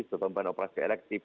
sebeban operasi elektif